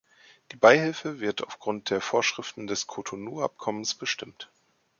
Die Beihilfe wird aufgrund der Vorschriften des Cotonou-Abkommens bestimmt.